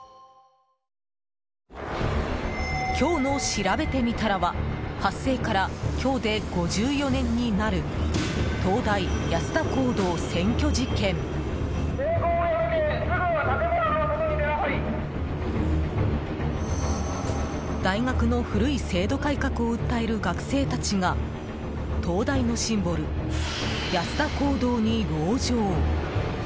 今日のしらべてみたらは発生から今日で５４年になる東大安田講堂占拠事件。大学の古い制度改革を訴える学生たちが東大のシンボル、安田講堂に籠城。